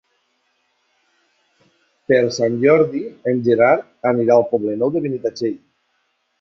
Per Sant Jordi en Gerard anirà al Poble Nou de Benitatxell.